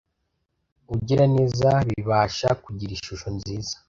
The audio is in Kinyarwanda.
ubugiraneza bibasha kugira ishusho nziza